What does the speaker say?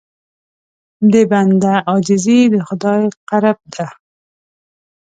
د بنده عاجزي د خدای قرب ده.